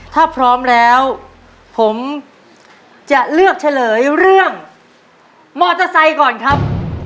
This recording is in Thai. ถ้าพร้อมแล้วผมจะเลือกเฉลยเรื่องมอเตอร์ไซค์ก่อนครับ